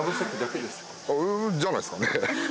あじゃないですかね。